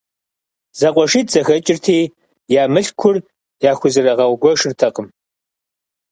ЗэкъуэшитӀ зэхэкӀырти, я мылъкур яхузэрыгъэгуэшыртэкъым.